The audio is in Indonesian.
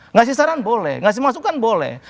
ngasih saran boleh ngasih masukan boleh